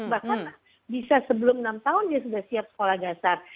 bahkan bisa sebelum enam tahun dia sudah siap sekolah dasar